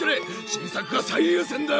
新作が最優先だ！